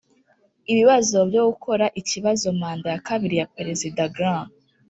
ibibazo byo gukora ikibazo manda ya kabiri ya perezida grant